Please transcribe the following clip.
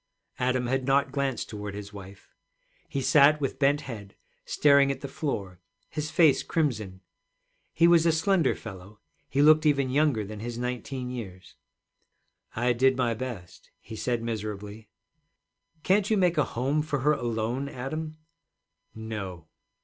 Adam had not glanced toward his wife. He sat with bent head, staring at the floor, his face crimson. He was a slender fellow, he looked even younger than his nineteen years. 'I did my best,' he said miserably. 'Can't you make a home for her alone, Adam?' 'No.'